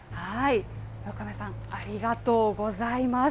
横山さん、ありがとうございます。